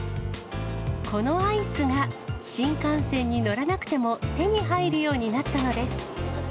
このアイスが、新幹線に乗らなくても手に入るようになったのです。